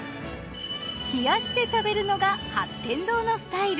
冷やして食べるのが八天堂のスタイル。